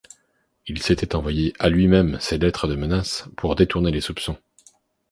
Il s'étaient envoyé à lui-même ses lettres de menace pour détourner les soupçons.